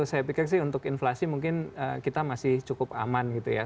saya pikir sih untuk inflasi mungkin kita masih cukup aman gitu ya